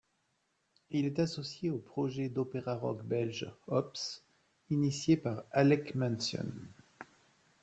Il est associé au projet d'opéra-rock belge, Hopes, initié par Alec Mansion.